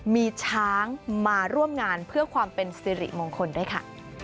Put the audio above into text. มีช้างมาร่วมงานเพื่อความเป็นสิริมงคลด้วยค่ะ